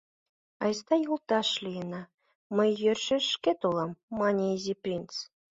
— Айста йолташ лийына, мый йӧршеш шкет улам, — мане Изи принц.